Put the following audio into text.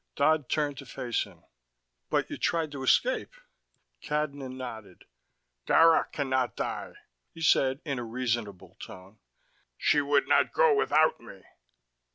Dodd turned to face him. "But you tried to escape." Cadnan nodded. "Dara can not die," he said in a reasonable tone. "She would not go without me."